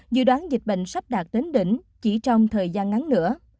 dự đoán dịch bệnh sắp đạt đến đỉnh chỉ trong thời gian ngắn nữa